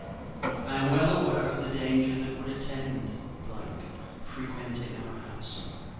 I am well aware of the danger that would attend frequenting our house.